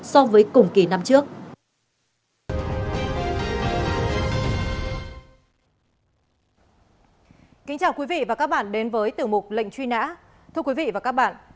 so với cùng kỳ năm trước